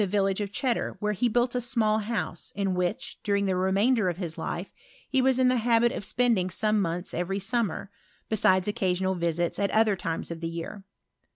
23T levillagB of Cheddar, wheorehe built a small in whidi, during the remainder of his life, he L the habit cft spending some months every a*y. besides occasional visita at other times* of ar.